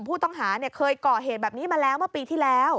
ผู้ต้องหาเคยก่อเหตุแบบนี้มาแล้วเมื่อปีที่แล้ว